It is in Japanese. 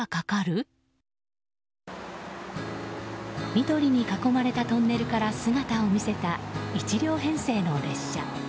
緑に囲まれたトンネルから姿を見せた１両編成の列車。